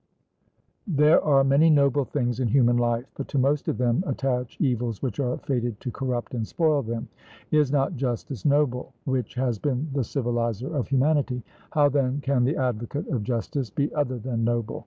There are many noble things in human life, but to most of them attach evils which are fated to corrupt and spoil them. Is not justice noble, which has been the civiliser of humanity? How then can the advocate of justice be other than noble?